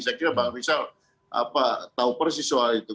saya kira bahwa misal tau persis soal itu